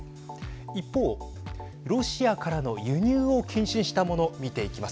一方ロシアからの輸入を禁止したもの見ていきます。